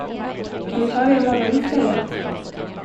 Kan vi ta det imorgon istället?